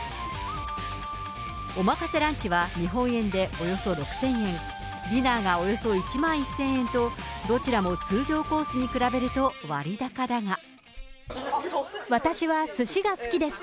おまかせランチは、日本円でおよそ６０００円、ディナーがおよそ１万１０００円と、どちらも通常コースに比べると、私はすしが好きです。